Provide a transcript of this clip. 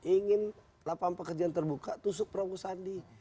ingin lapangan pekerjaan terbuka tusuk prabowo sandi